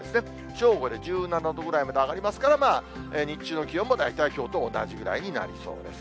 正午で１７度ぐらいまで上がりますから、まあ、日中の気温も大体きょうと同じぐらいになりそうです。